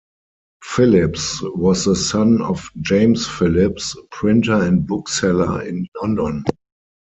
Phillips was the son of James Phillips, printer and bookseller in London.